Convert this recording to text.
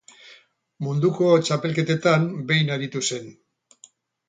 Munduko Txapelketetan behin aritu zen.